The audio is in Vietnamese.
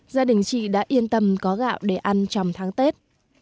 gia đình chị đã yên tâm có gạo để ăn trong tháng tết